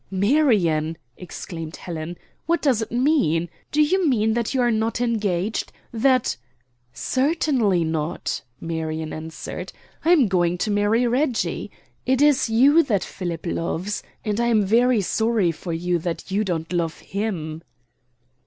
"Marion!" exclaimed Helen, "what does it mean? Do you mean that you are not engaged; that " "Certainly not," Marion answered. "I am going to marry Reggie. It is you that Philip loves, and I am very sorry for you that you don't love him."